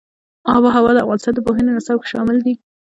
آب وهوا د افغانستان د پوهنې نصاب کې شامل دي.